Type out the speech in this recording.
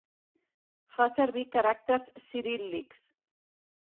Fa servir caràcters ciríl·lics.